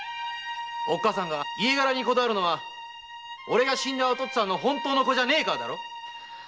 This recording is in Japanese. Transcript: おっかさんが家柄にこだわるのは俺が死んだお父っつぁんの本当の子じゃねえからだろ？